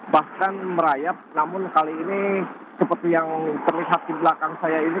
bahkan merayap namun kali ini seperti yang terlihat di belakang saya ini